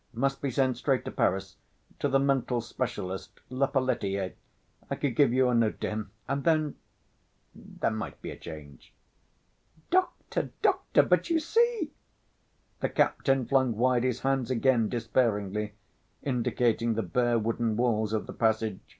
must be sent straight to Paris to the mental specialist Lepelletier; I could give you a note to him, and then ... there might be a change—" "Doctor, doctor! But you see!" The captain flung wide his hands again despairingly, indicating the bare wooden walls of the passage.